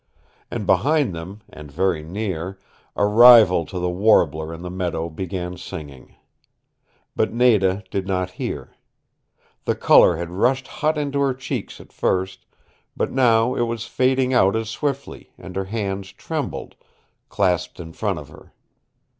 And behind them, and very near, a rival to the warbler in the meadow began singing. But Nada did not hear. The color had rushed hot into her cheeks at first, but now it was fading out as swiftly, and her hands trembled, clasped in front of her.